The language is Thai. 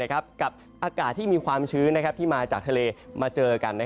กับอากาศที่มีความชื้นที่มาจากทะเลมาเจอกัน